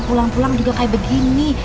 pulang pulang juga kayak begini